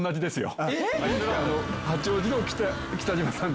八王子の北島さん